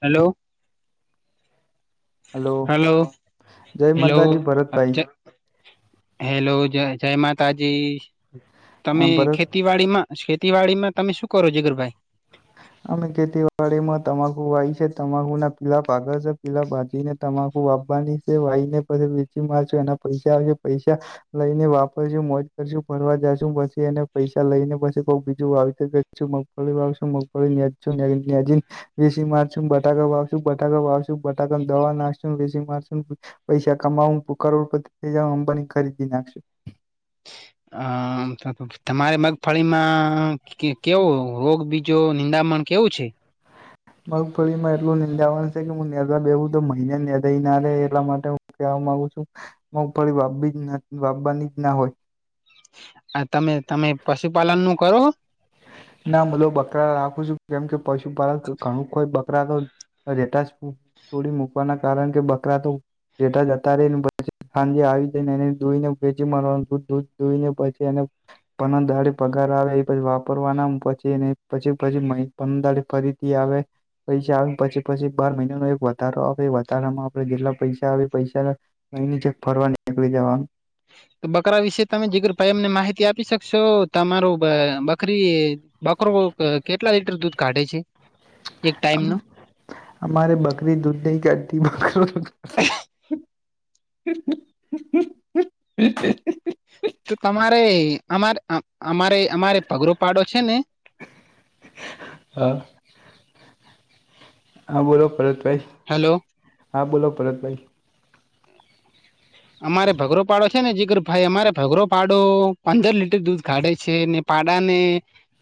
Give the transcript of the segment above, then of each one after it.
Hello. Hello જય hello. માતાજી Bharatbhai hello જ જય માતાજી તમે હા ભરત ખેતી વાડી માં ખેતીવાડી માં તમે શું કરો જીગરભાઈ અમે ખેતીવાડી માં તમાકુ વાય છે તમાકુ ના પીલા પાાગળ છે પીલા ભાજીને તમાખું વાબાની છે વાઈ ને પછી વેચી મારશો એના પૈસા આવશે પૈસા લઈને વાપરશું મોજ કરશું ફરવા જશું પછી એને પૈસા લઈને પછ બ બીજું વાત બીજું મગફળી વાવીશું મગફળી જ [unintelligible] દેશી મારશું બટાકા વાવશું બટાકા વાવું બટાકા દવા નાખશ વેશી મારશ પૈસા કમાવું કરોડપતિ થઈ જવાનું અંબાની ખરીદી નાખશ અ તમારે મગફળીમાં કે કેવો રોગ બીજો નિંદામણ કેવું છે મગફળીમાં એટલું નિંદાવન છે કે હું નિદવા બેસું તો મહિને નિદાય ના રહેે એટલા માટે કેવા માગુ છું મગફળી વાવવી જ વાવવાની ના હોય આ તમે તમે પશુપાલન નું કરો ના બધો બકરા રાખું છું કેમ કે પશુપાલન ઘણું કોઈ બકરા તો રેટાશ થોડી મૂકવાના કારણ કે બકરા તો જેેઠા જતા રહી ને પછી સાંજે આવી જઈને એને દોઈને વેચી મારવાનું દુધ ધોઈને પછી એને પન દાડી પગાર આવે એ પછી વાપ રવાના પછી એને પછી પછી પંદળ ફરીથી આવે પૈસા આવે પછી પછી બાર મહિનાનો એક વધારો આવે વધારામાં આપણે જેટલા પૈસા આવે પૈસા અહીની જે ફરવાની નીકળી જવાનું તો બકરા વિશે તમે જીગરભાઈ એમને માહિતી આપી શકશો તમારો બકરી બકરો કેટલા લીટર દૂધ કાઢે છે એક ટાઈમ નો અમારે બકરી દૂધ નહી કાઢતી બકરો [inaudible] તો તમારે અમારે અમારે અમારે પગરો પાડો છે ને હા હા બોલો પરતભાઈ હેલો હા બોલો પરતભાઈ અમારે ભઘરો પાડો છે ને જીકર ભાઈ અમારે ભઘરો પાડો પંદર લીટર દૂધ કાઢે છે ને પાડા ને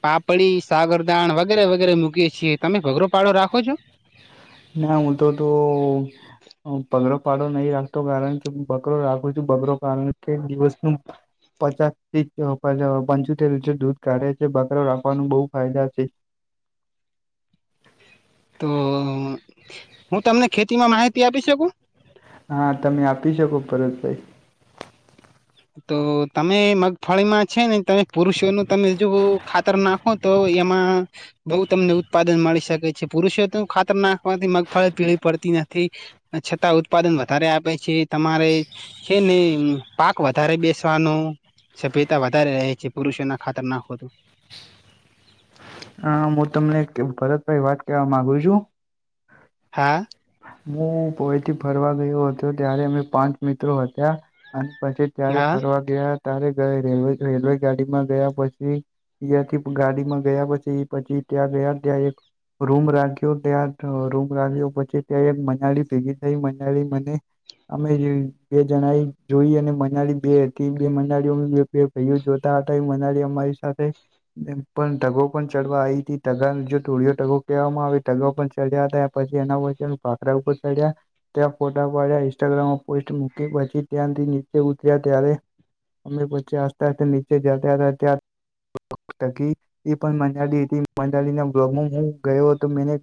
પાપડી સાગરદાણ વગેરે વગેરે મૂકીએ છીએ તમે ભઘરો પાડો રાખો છો? ના હું તો તો હું ભગરો પાડો નહી રાખતો કારણ કે બકરો રાખું છું બકરો કારણ એક દિવસ નું પચાસી થી પંચોતેર લીર દૂધ કાઢે છે બકરો રાખવાનું બહુ ફાયદા છે તો હું તમને ખેતીમાં માહિતી આપી શકું હા તમે આપી શકો પરતભાઈ તો તમે મગફળીમાં છે ને તમે પુરુષો નું તમે જો ખાતર ના ખુ તો એમાં બઉ તમને ઉત્પાદન મળી શકે છે પુરુષો તો ખાતર નાખવાથી મગફળી પીળી પડતી નથી છતાં ઉત્પાદન વધારે આપે છે તમારે છે ને પાક વધારે બેસવાનું સભ્યતા વધારે રહે છે પુરુષો ના ખાતર ના હોતું હા હું તમને ભરતભાઈ વાત કહેવા માગુ છું હા હું પોઈથી ફરવા ગયો હતો ત્યારે અમે પાંચ મિત્રો હતા અને પછી ત્યારે હા ફરવા ગયા ત્યારે ગય રેલવે રેલવે ગાડી માં ગયા પછી યાથી ગાડીમાં ગયા પછી પછી ત્યાં ગયા ત્યાં એક રૂમ રાખ્યો ત્યાં રૂમ રાખ્યો પછી ત્યાં એક મનાળી ભેગી થઈ મનાળી મને અમે બે જણાઈ જોઈ અને મંનાળી બે હતી બે મનાળઓ [unintelligible] જોતા હતા એ મનાળી અમારી સાથે એ પણ ઢગો પણ ચડવા આવી હતી ઢગા જો ધોળીયો ઢગો કહેવામાં આવે ઢગા પણ ચડ્યા હતા. પછી એના [inaudible] ભાખરા ઉપર ચડ્યા. ત્યાં ફોટા પાડ્યા ઇન્સ્ટાગ્રામમાં પોસ્ટ મૂકી પછી ત્યાંથી નીચે ઉતર્યા ત્યારે અમે પછી આસ્તે આસ્તે નીચે જતા હતા ત્યાં એ પણ મંડાળી હતી મંડાળીના વલોગમાં હું ગયો હતો મેને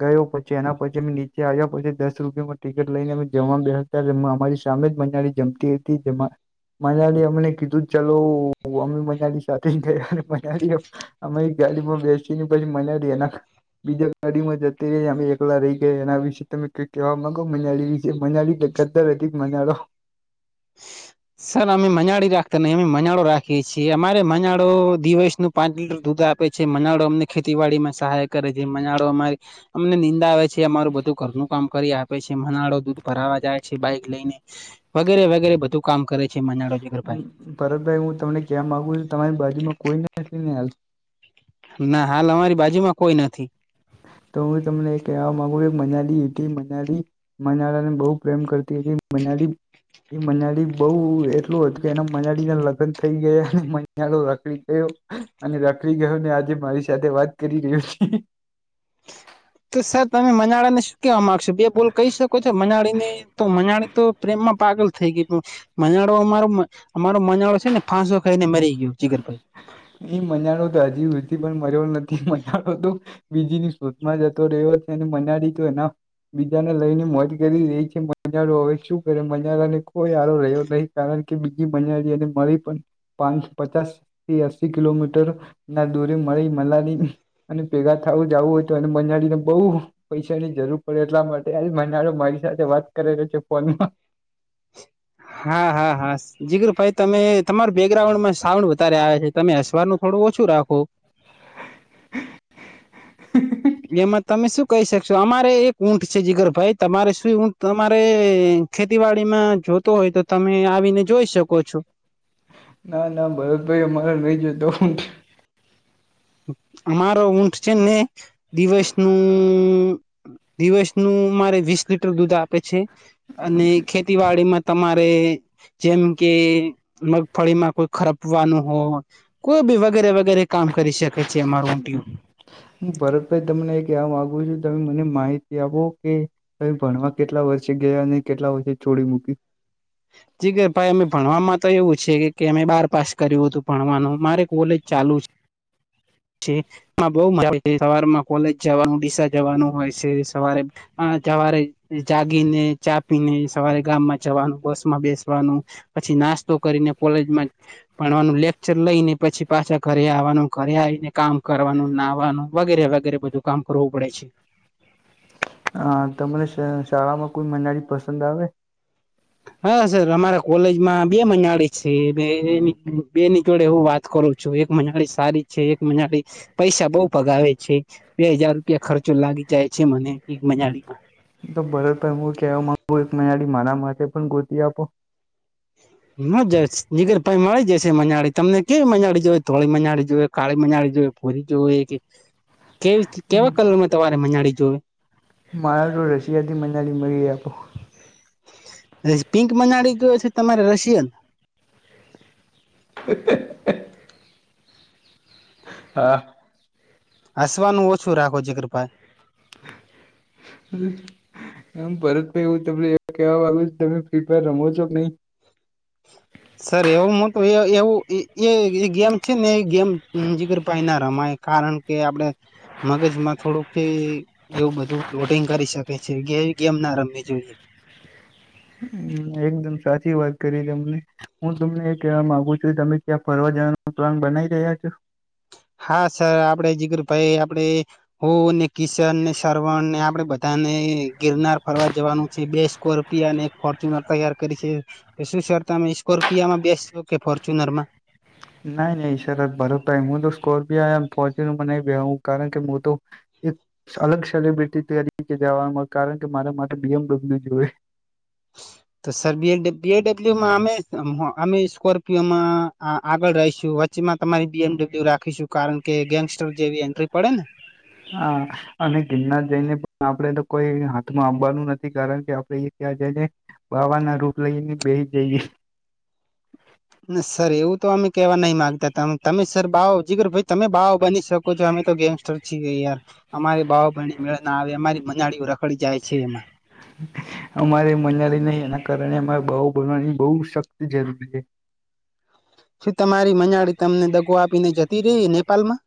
ગયો પછી એના પછી મેં ની આવ્યા પછી દસ રૂપિયામાં ટિકિટ લઈને અમે જમવા બેસી અમારી સામે જ બંને જમતી હતી જમવા મનાડી અમને કીધું ચલો અમે મનાડી સાથે ગયા મનાડીએ અમે એક ગાડીમાં બેસી ને પછી મનાડી એના બીજા ગાડી માં જતી રહી અમે એકલા રહી ગયા એ નાવી [unintelligible] સર અમે મનાડી રાખતા નહી અમે મનાડો રાખીએ છીએ અમારે મનાડો દિવસ નું પાંચ લીટર દૂધ આપે છે મનાડો અમને ખેતીવાડીમાં સહાય કરે છે મનાડો અમારી અમને નિંદા આવે છે. અમારું બધું ઘરનું કામ કરી આપે છે. મનાળો દૂધ ભરાવા જાય છે. બાઈક લઈને વગેરે વગેરે બધું કામ કરે છે મનાડો ભરતભાઈ હું તમને કહેવા માગુ છું તમારી બાજુમાં કોઈ નથી ને હાલ ના હાલ અમારી બાજુમાં કોઈ નથી. તો હું તમને કહેવા માંગુ કે મનાલી ટી મનાલી મનાળા ને બહુ પ્રેમ કરતી હતી મનાલી એ મનાડી બઉુ એટલું હતું કે એના મનાડી ના લગ્ન થઈ ગયા. રાખડી ગયો અને રાખડી ગયો ને આજે મારી સાથે વાત કરી રહ્યું છે. તો સર તમે મનાળા ને શું કેવા માંગશો? બે બોલ કહી શકો છો મનાળીને તો મનાળી તો- પ્રેમમાં પાગલ થઈ ગઈ. મનાડો અમારો અમારો મનાડો છે ને ફાંસો ખાઈને મરી ગયો જીગરભાઈ. એ મજાડો તો હજીથી પણ મર્યો નથી. મજાડો તો- બીજી ની શોધમાં જતો રહ્યો છે અને મનારી તો- બીજાને લઈને મોજ કરી રહી છે. મજારો હવે શું કરે મજાાર ને કોઈ આરો રહ્યો નહી. કારણ કે બીજી મજા અને મળી પણ પાંચ- પચાસ થી અસી કિલોમીટર ના દૂરી મળી મલાની- અને ભેગા થવું જવું હોય તો અને મંજાળીને બહુ- પૈસા ની જરૂર પડે એટલા માટે આજ મનાડો મારી સાથે વાત કરેલો છે ફોનમાં- હા હા હા જીગરુ ભાઈ તમે તમાર બેકગ્રાઉન્ડમાં સાઉન્ડ વધારે આવે છે તમે હસવારનું- થોડું ઓછું રાખો. એમાં તમે શું કહી શકશો અમારે એક ઊંટ છે જીગર ભાઈ તમારે શું ઊંટ તમારે- ખેતીવાડીમાં જોતો હોય તો તમે આવીને જોઈ શકો છો. ના ના ભરતભાઈ અમારો નહી જતો હું. અમારો ઊંટ છે ને દિવસ નું- દિવસનું અમારે વીસ લીટર દૂધ આપે છે. અને ખેતીવાડીમાં તમારે- જેમ કે મગફળીમાં કોઈ ખરપવાનું હોય. કોઈ બી વગેરે વગેરે કામ કરી શકે છે અમારું ઊંટ. હું ભરતભાઈ તમને એક આમ માગુ છું તમે મને માહિતી આપો કે- ભણવા કેટલા વર્ષે ગયા અને કેટલા વર્ષે છોડી મૂકી? જીગરભાઈ અમે ભણવાવામાં તો એવું છે કે અમે બાર પાસ કર્યું હતું ભણવાનું મારે કોલેજ ચાલુ છે. ઠીક- બહુ મજ સવારમાં કોલેજ જવાનું ડીસા જવાનું હોય છે. સવારે- સવારે જાગી ને ચા પીને સવારે ગામ માં જવાનું બસ- બેસવાનું પછી નાસ્તો કરીને કોલેજમાં- ભણવાનું લેક્ચર લઈને પછી પાછા ઘરે આવવાનું ઘરે આવીને કામ કરવાનું નાહવાનું વગેરે વગેરે. બધું કામ કરવું પડે છે. હા તમને શાળા માં કોઈ મનાળી પસંદ આવે હા સર અમારા કોલેજમાં બે મિનાળે છે બે બે ની જોળે હું વાત કરું છું એક મનાળી સારી છે એક મનાળી પૈસા બઉ ભગાવે છે બે હજાર રૂપિયા ખર્ચો લાગી જાય છે મને એક મનાળીમાં તો ભરતભાઈ હું કવ મા એક મડી મારા માટે પણ ગુતી આપો મ જ જગર પ મળી જશે મનાડી તમને કેવી મનાડી જોય ધોળી મનાડી જોઈએ કાળી મનાડી જોઈ પૂરી જો કે કેવી કેવા કલરમાં તમારે મનાડી જોવે મારા તો રશિયાથી મનાલી મળી આપો પિંક મનાડી જોય છે તમારે રશિયન [inaudible] હા હસવાનું ઓછું રાખો જીગર ભાઈ [inaudible] એમ ભરત ભાઈ એવું ત કેવા વાગુ તમે ફ્રી ફાયર રમો છો કે નહી સર એવું મોટુ એ ગેમ છે ને એ ગેમ જીગરભાઈ ના રમાય કારણ કે કે આપડે મગજમાં થોડુંક એવું બધું લોડિંગ કરી શકે છે વીએ ગેમ ના રમવી જોઈએ હ એકદમ સાચી વાત કરી તમને હું તમને એ કહેવા માંગુ છું કે તમે ક્યાં ફરવા જવાનું પ્લાન બનાવી રહ્યા છો હા સર આપડે જીગર ભાઈ આપડે હો ને કિશન ને શવણ ને આપડે બધાને ગિરનાર ફરવા જવાનું છે બે સ્કોર ને એક ફોર્ચ્યુનર તૈયાર કરી છે તમે સ્કોર્પીયામાં બેસશો કે ફોર્ચ્યુનરમાં નહી નહી સર બરોપર હું તો સ્કોર્પિયોમ ફોર્ચ્યુનમાં નહી બેહું કારણ કે હું તો એક અલગ સેલિબ્રિટી તરીકે જવાનું કારણ કે મારા માટે બીએમ ડબલ્યુ જોવે તો સર બીએમડબલ્યુમાં અમે અમે સ્કોર્પિયોમાં હા આગળ રહીશું વચ્ચેમાં તમારી બી એમડબલ્યુ રાખીશું કારણ કે ગેંગસ્ટર જેવી એન્ટ્રી પડે ને હા અને ગિરનાર જઈને પણ આપણે તો કોઈ હાથમાં આવાનું નથી કારણ કે આપે એ ત્યાં જઈને બાવા ના રૂપ લઈને બેહી જઈએ સર એવું તો અમે કેવા નહી માંગતા હતા તમે સર બાવા જીગર ભાઈ તમે બાવો બની શકો છો અમે તો ગેંગસ્ટર છીએ યાર અમારી બાવા બણી મેળ ના આવે અમારી મનાળીઓ રખડી જાય છે એમાં અમારે મનિયાની નહી એના કારણે અમારે બાવો બનવાની બહુ શક્તિ જરૂરી છે શું તમારી મનયાડી તમને દગો આપી ને જતી રહી નેપાલમાં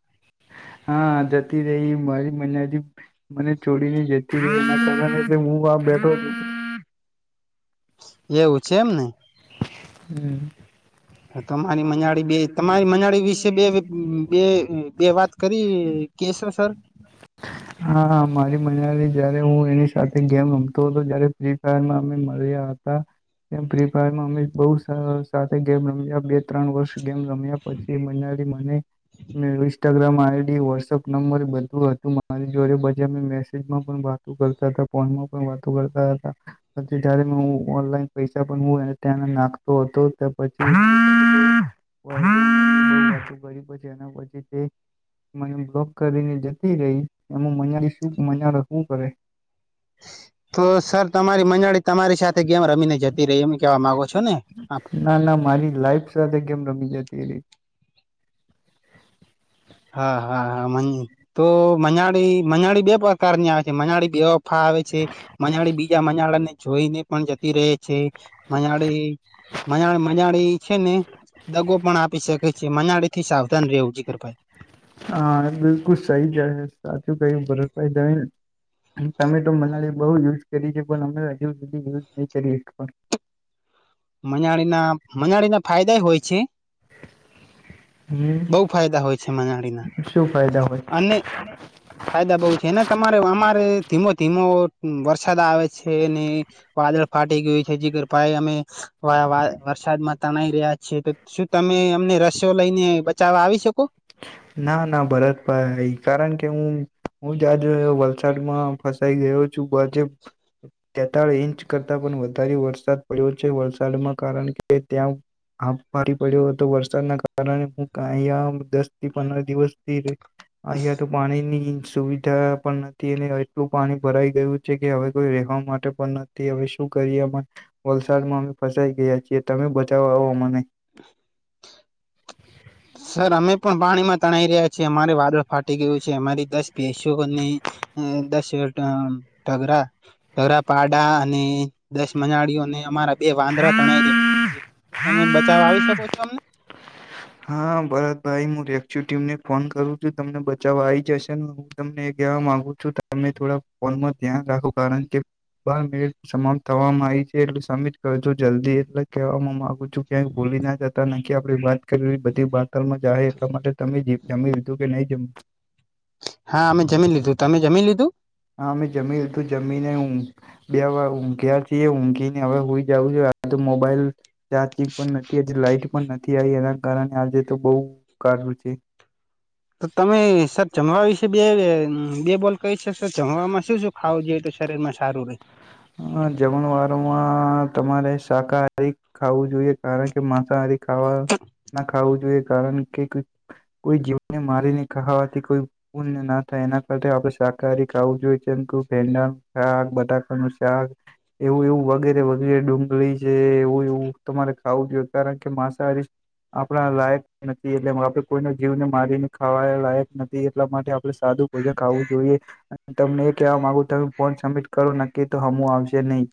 હા જતી રહી મારી મનેયાણી મને છોડીને જતી રહિ કારણે હું વા બેઠો હતો એવું છે એમ ને હમ્મ. તમારી મનાડી બે તમારી મનાડી વિશે બે બે બે વાત કરી કેશો સર હા હા મારી મનાલી જયારે હું એની સાથે ગેમ રમતો હતો જય્યારે ફ્રી ફાયર માં અમે મળ્યા હતા હતા ફ્રી ફાયરમાં અમે બહું સાથે ગેમ રમી બે ત્રણ વર્ષ ગેમ રમ્યા પછી મનારી મને ઇન્સ્ટાગ્રામ આવે થી વોટસએપ નંબર બધું હતું મારી જોડે બધી અમે મેસેજમાં પણ વાતો કરતા હતા ફોનમાં પણ વાતો કરતા હતા પછી જ્યારે ઓનલાઈન પૈસા પણ ત્યાં નાખતો હતો પછી રી પછી એના પછી તે મને બ્લોક કરીને જ રહી એમ મજા શું મા હું કરે તો સર તમારી મંજાળી તમારી સાથે ગેમ રમીને જતી રહી એમ કેવા માંગો છો ને આપ ના ના મારી લાઈફ સાથે ગેમ રમી જતી રહી હા હા હા તો મંજાલિ મંજાલિ બે પ્રકાર ની આવે છે મનાળી બેવફા આવે છે મંજાલિ બીજા મનાળા ને જોઈને પણ જ રહે છે મંજાલિ મજાલી મજાલી છે ને દગો પણ આપી શકે છે મનાડી થી સાવધાન રહેવું જીગર ભાઈ. હા બિલકુલ સહી જ સાચું કયું ભરતભાઈ તમે ટમેટો મનાલી બઉ યુઝ કરી છે પણ અમે હજુ સુધી યુઝ નહી કરી એક પણ મનાળી ના મનાળી ના ફાયદાય હોય છે. હમ બહું ફાયદા હોય છે મનાળીના શું ફાયદા હોય અને ફાયદા બહું છે એને તમારે અમારે ધીમો ધીમો વરસાદ આવે છે ને વાદળ ફાટી ગયુ છે જીગર ભાઈ અમે વા વરસાદમાં તણાઈ રહ્યા છે તો શું તમે અમને રસો લઈને બચાવવા આવી શકો. ના ના ભરતભાઈ કારણ કે હું હું જ આજ વલસાડમાં ફસાઈ ગયો હું જે તેતાલી ઇંચ કરતાં પણ વધારે વરસાદ પડ્યો છે વલસાડમાં કારણ કે ત્યાં આ ફરી પડ્યો હતો વરસાદના કારણે હું અહીયા દસ થી પંદર દિવસથી અહિયાં તો પાણી ની સુવિધા પણ નથી અને એટલું પાણી ભરાઈ ગયું છે કે હવે કોઈ રેહવા માટે પણ નથી હવે શું કરીએ વલસાડમાં અમે ફસાઈ ગયા છીએ તમે બચાવ આવો મને [inaudible] સર અમે પણ પાણીમાં તણાઈ રહ્યા છીએ અમારે વાદળ ફાટી ગયું છે અમારી દસ ભેંસો હતી અ દસ ઢગરા ધરા પાડા અને દસ મનાળઓને અમારા બે વાંદરા તણાઈ રહ્યા તમે બચાવ આવી શકો છો અમને? હા ભરતભાઈ હું રે્યુ ટીમને ફોન કરું છું તમને બચાવવા આવી જશે ને હું તમને એ કહેવા માંગુ છું તમે થોડા ફોનમાં ધ્યાન રાખો કારણ કે મેળ સ થવામાં આવી છે એટલી કરું જલ્દી એટલે કહેવા માગુ છું ક્યાંક ભૂલી ના જતા નકી આપડી વાત બધી બાતાલમાં જ એટલા માટે તમે જમી લીધું કે નહી જમી? હા અમે જમીન લીધું, તમે જમીન લીધું? હા અમે જમી હતું જમીને હું બે વાર ઊંઘ્યા છીએ, ઊંઘીને હવે હુઈ જવું છે. આ તો મોબાઈલ ચાર્જિંગ પણ નથી લાઈટ પણ નથી આવી એના કારણે આજે તો બહુ કાર છે. તો તમે સર જમવા વિશે બે વિડિઓ કોલ કરી શકશો છે સર જમમાં શું શું ખાવું જોઈએ તો શરીર માં સારું રહે. હ જમણ વારોમાં તમારે શાકાહારી ખાવું જોઈએ કારણ કે માંસાહારી ખાવા ના ખું જોઈએ કારણ કે કોઈ જીવનને મારીને ખાવાથી કોઈ [inaudible] ના થાય એના કર આપણે શાકાહારી ખાવું જોઈએ કેમકે [inaudible] બટાકાનું ત્યા એવું એવું વગેરે વગેરે ડુંગળી છે એવું એવું તમારે ખાવું જોઈ કારણ કે માંસાહારી આપણા લાઈફ નથી એટલે આપણે કોઈના જીવને મારીને ખાવા લાયક નથી એટલા માટે આપણે સાદું ભોજન ખવું જોઈએ. તમને એ કહેવા માગુ તમે ફોર્ન સબમિટ કરો નક્કી તો હમું આવશે નહી.